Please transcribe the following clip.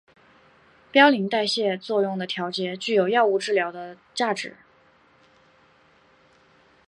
嘌呤代谢作用的调节具有药物治疗的价值。